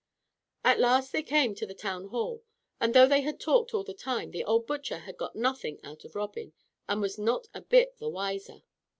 At last they came to the town hall, and though they had talked all the time the old butcher had got nothing out of Robin, and was not a bit the wiser.